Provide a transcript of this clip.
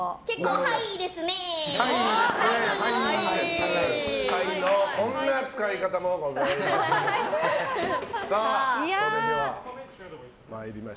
ハイこんな使い方もございます。